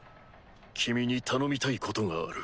君に頼みたいことがある。